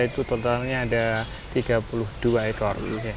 itu totalnya ada tiga puluh dua ekor